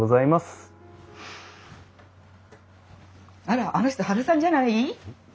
あらあの人ハルさんじゃない？